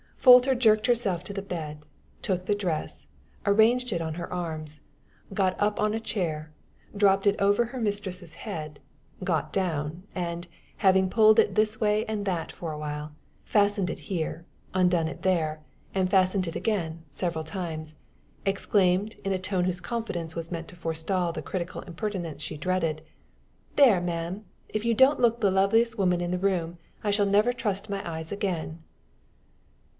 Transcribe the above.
Folter jerked herself to the bed, took the dress, arranged it on her arms, got up on a chair, dropped it over her mistress's head, got down, and, having pulled it this way and that for a while, fastened it here, undone it there, and fastened it again, several times, exclaimed, in a tone whose confidence was meant to forestall the critical impertinence she dreaded: "There, ma'am! If you don't look the loveliest woman in the room, I shall never trust my eyes again."